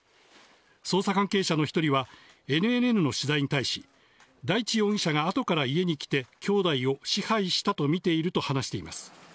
捜査関係者の１人はＮＮＮの取材に対し、大地容疑者が後から家に来て、きょうだいを支配したとみていると話しています。